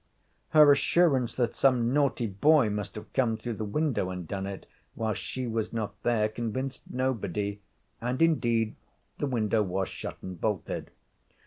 Her assurance that some naughty boy must have come through the window and done it while she was not there convinced nobody, and, indeed, the window was shut and bolted.